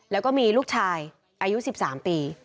แล้วก็มีลูกชายอายุ๑๓ปี